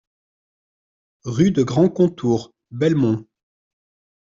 Rue de Grand Contour, Belmont